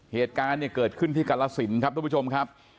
เหตุการณ์เนี่ยเกิดขึ้นที่กรสินครับทุกผู้ชมครับ